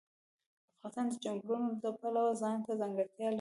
افغانستان د چنګلونه د پلوه ځانته ځانګړتیا لري.